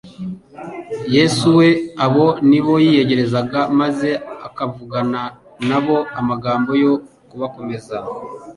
Yesu we abo nibo yiyegerezaga, maze akavugana nabo amagambo yo kubakomeza